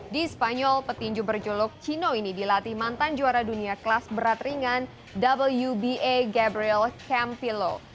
di spanyol petinju berjuluk cino ini dilatih mantan juara dunia kelas berat ringan wba gabriel champilo